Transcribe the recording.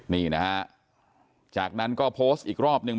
นี่นะฮะจากนั้นก็โพสต์อีกรอบนึง